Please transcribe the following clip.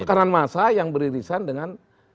tekanan massa yang beririsan dengan